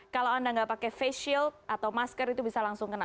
kalau anda nggak pakai face shield atau masker itu bisa langsung kena